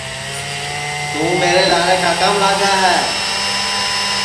توں میرے لارے کاکام لاگا ہے